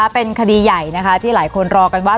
เป็นคดีใหญ่นะคะที่หลายคนรอกันว่า